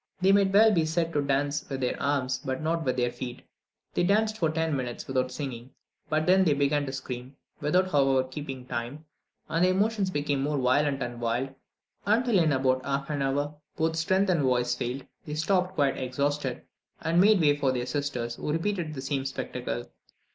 They might well be said to dance with their arms but not with their feet. They danced for ten minutes without singing, then they began to scream, without however keeping time, and their motions became more violent and wild, until in about half an hour both strength and voice failed, they stopped quite exhausted, and made way for their sisters, who repeated the same spectacle.